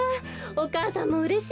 お母さんもうれしいわ。